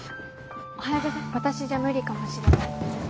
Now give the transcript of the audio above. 私じゃ無理かもしれない。